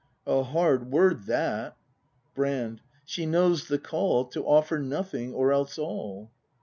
A hard word, that. Brand. She knows the call, — To offer Nothing, or else all.